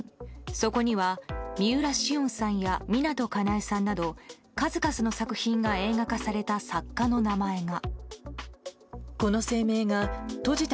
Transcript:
そこには三浦しをんさんや湊かなえさんなど数々の作品が映画化された作家の名前が。